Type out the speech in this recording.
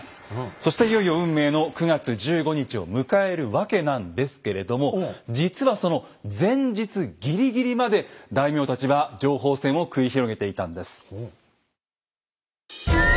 そしていよいよ運命の９月１５日を迎えるわけなんですけれども実はその前日ギリギリまで大名たちは情報戦を繰り広げていたんです。